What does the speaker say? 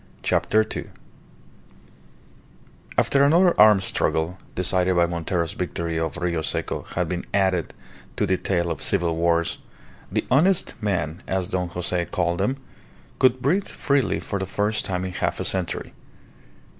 CHAPTER TWO After another armed struggle, decided by Montero's victory of Rio Seco, had been added to the tale of civil wars, the "honest men," as Don Jose called them, could breathe freely for the first time in half a century.